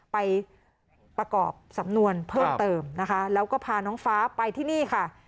ไปประกอบสำนวนเพิ่มเติมนะคะแล้วก็พาน้องฟ้าไปที่นี่ค่ะ